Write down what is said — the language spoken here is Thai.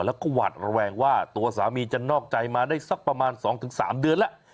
แล้วก็หวาดระแวงว่าตัวสามีจะนอกใจมาได้สักประมาณ๒๓เดือนแล้ว